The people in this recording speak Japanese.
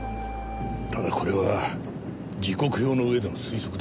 ただこれは時刻表の上での推測だ。